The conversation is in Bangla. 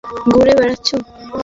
তুমি বীরত্ব দেখাতে ঘুরে বেড়াচ্ছ?